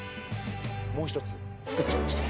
もう一つ作っちゃいました。